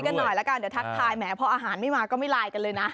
กันหน่อยละกันเดี๋ยวทักทายแหมพออาหารไม่มาก็ไม่ไลน์กันเลยนะ